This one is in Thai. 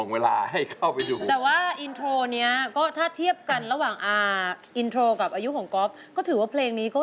เพลงนี้ก็แหม